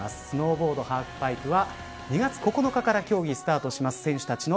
スノーボード、ハーフパイプは２月９日から競技がスタートします。